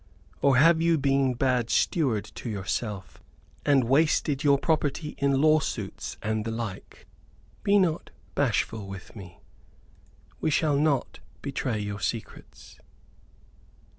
Or have you been bad steward to yourself and wasted your property in lawsuits and the like? Be not bashful with me, we shall not betray your secrets."